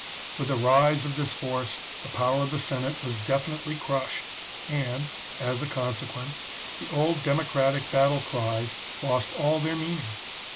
With the rise of this force the power of the Senate was definitely crushed, and, as a con sequence, the old democratic battle cries lost all their meaning.